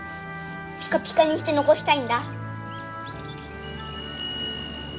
ピカピカにして残したいんだ。